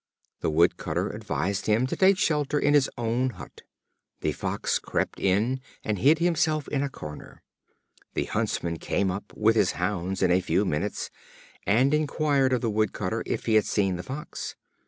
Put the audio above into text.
The Wood cutter advised him to take shelter in his own hut. The Fox crept in, and hid himself in a corner. The Huntsman came up, with his hounds, in a few minutes, and inquired of the Wood cutter if he had seen the Fox.